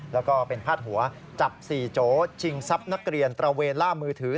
แล้วก็เป็นพาดหัวจับ๔โจชิงทรัพย์นักเรียนตระเวนล่ามือถือ